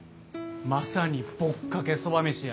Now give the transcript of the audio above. まさにぼっかけそばめしや。